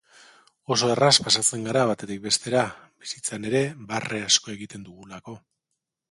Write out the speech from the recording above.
Oso erraz pasatzen gara batetik bestera, bizitzan ere barre asko egiten dugulako.